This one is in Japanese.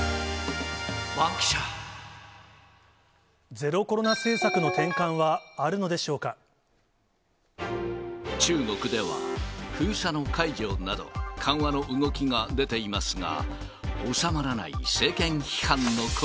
ゼロコロナ政策の転換はある中国では、封鎖の解除など、緩和の動きが出ていますが、収まらない政権批判の声。